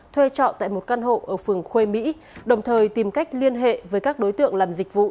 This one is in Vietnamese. thuê trọ tại một căn hộ ở phường khuê mỹ đồng thời tìm cách liên hệ với các đối tượng làm dịch vụ